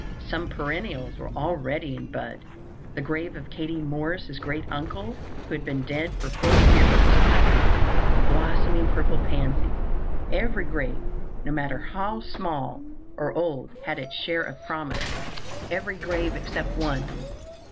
Some perennials were already in bud. The grave of Katie Morris' great uncle, who had been dead for forty years, was covered with blossoming purple pansies. Every grave, no matter how small or old, had its share of promise—every grave except one.